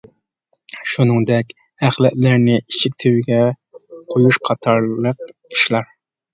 شۇنىڭدەك ئەخلەتلەرنى ئىشىك تۈۋىگە قويۇش. قاتارلىق ئىشلار.